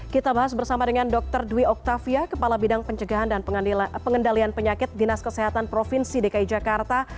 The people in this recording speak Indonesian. kita bahas bersama dengan dr dwi oktavia kepala bidang pencegahan dan pengendalian penyakit dinas kesehatan provinsi dki jakarta